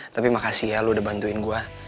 tapi makasih ya lu udah bantuin gue